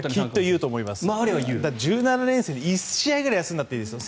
１７連戦で１試合ぐらい休んでもいいですよ